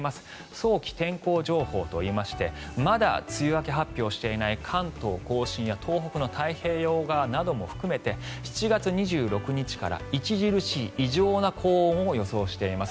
早期天候情報といいましてまだ梅雨明け発表していない関東・甲信や東北の太平洋側なども含めて７月２６日から著しい異常な高温を予想しています。